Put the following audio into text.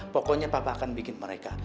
pokoknya papa akan bikin mereka